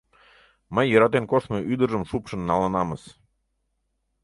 Мый йӧратен коштмо ӱдыржым шупшын налынамыс.